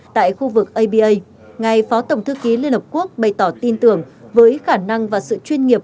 tại khu vực abaa ngài phó tổng thư ký liên hợp quốc bày tỏ tin tưởng với khả năng và sự chuyên nghiệp